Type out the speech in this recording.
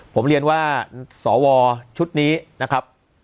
ผมเรียนว่าสวชุดนี้นะครับ